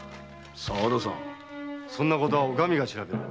そんなことはお上が調べる。